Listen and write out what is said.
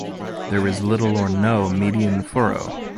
There is little or no median furrow.